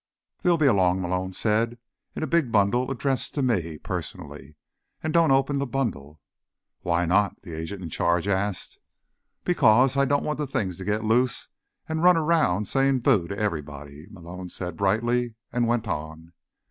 "They'll be along," Malone said. "In a big bundle, addressed to me personally. And don't open the bundle." "Why not?" the agent in charge asked. "Because I don't want the things to get loose and run around saying boo to everybody," Malone said brightly, and went on.